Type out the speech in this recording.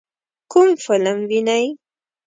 کوم فلم وینئ؟